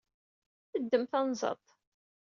Ddem tanzaḍt.